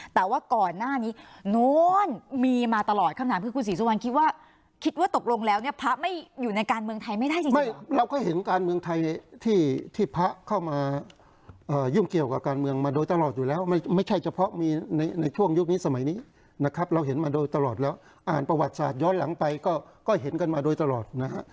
แต่ว่าก่อนหน้านี้โน้นมีมาตลอดคำถามคือคุณศรีสุวรรณคิดว่าคิดว่าตกลงแล้วเนี่ยพระไม่อยู่ในการเมืองไทยไม่ได้จริงไม่เราก็เห็นการเมืองไทยที่พระเข้ามายุ่งเกี่ยวกับการเมืองมาโดยตลอดอยู่แล้วไม่ใช่เฉพาะมีในช่วงยุคนี้สมัยนี้นะครับเราเห็นมาโดยตลอดแล้วอ่านประวัติศาสตร์ย้อนหลังไปก็เห็นกันมาโดยตลอดนะฮะ